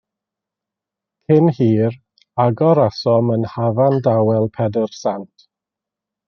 Cyn hir, angorasom yn hafan dawel Pedr Sant.